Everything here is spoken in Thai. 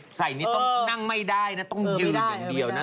ใส่นี่ต้องนั่งไม่ได้นะต้องยืนอย่างเดียวนะ